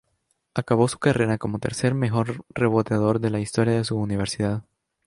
Acabó su carrera como tercer mejor reboteador de la historia de su universidad.